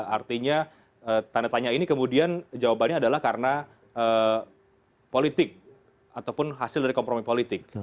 artinya tanda tanya ini kemudian jawabannya adalah karena politik ataupun hasil dari kompromi politik